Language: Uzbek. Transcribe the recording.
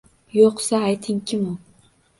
Yo’qsa, ayting, Kim u?